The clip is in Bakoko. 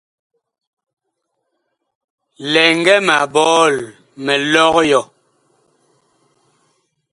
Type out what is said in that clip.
Lɛŋgɛ ma bɔɔl mi lɔg yɔ.